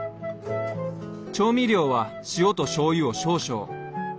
調味料は塩としょうゆを少々。